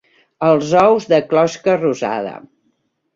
Els ous, de closca rosada.